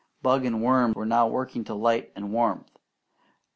Bug and worm were working to light and warmth.